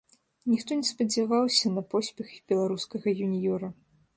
Ніхто не спадзяваўся на поспех беларускага юніёра.